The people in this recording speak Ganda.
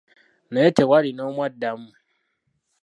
Naye tewaali n'omu addamu.